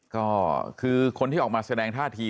ก็คือคนที่ออกมาแสดงท่าที